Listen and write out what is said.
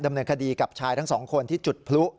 ดำเนินคดีกับชายทั้งสองคนที่จุดพลุ